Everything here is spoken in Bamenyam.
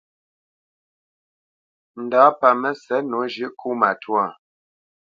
Ndǎ pâ Mə́sɛ̌t nǒ zhʉ̌ʼ kó matwâ.